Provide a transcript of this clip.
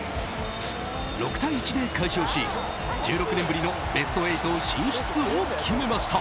６対１で快勝し、１６年ぶりのベスト８進出を決めました。